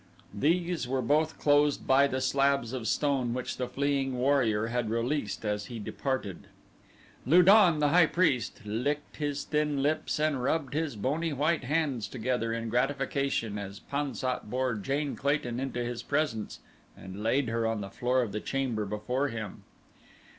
These were both closed by the slabs of stone which the fleeing warrior had released as he departed. Lu don, the high priest, licked his thin lips and rubbed his bony white hands together in gratification as Pan sat bore Jane Clayton into his presence and laid her on the floor of the chamber before him.